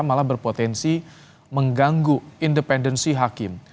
malah berpotensi mengganggu independensi hakim